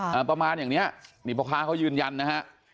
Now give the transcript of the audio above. ประมาณอย่างเนี้ยนี่พ่อค้าเขายืนยันนะฮะ